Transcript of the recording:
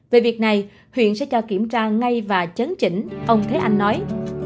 về việc này huyện sẽ cho kiểm tra ngay và chấn chỉnh ông thế anh nói